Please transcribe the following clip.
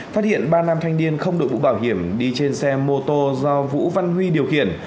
phát hiện ba nam thanh niên không đội mũ bảo hiểm đi trên xe mô tô do vũ văn huy điều khiển